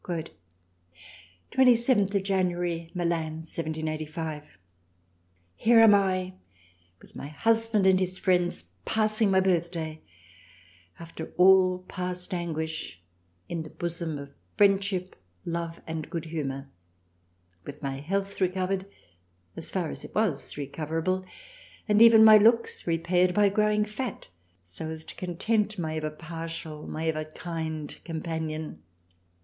27th January. Milan. 1785. Here am I ! with my Husband and his Friends passing my Birthday (after all past Anguish) in the Bosom of Friendship, Love and good humour : with my health recovered as far as it was recoverable and even my looks repaired by growing fat, so as to content my ever partial, my ever kind companion.